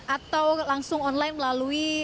atau langsung online melalui